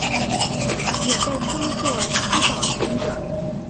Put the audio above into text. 也被称作七宝行者。